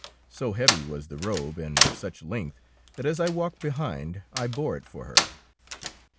So heavy was the robe, and of such length, that as I walked behind I bore it for her.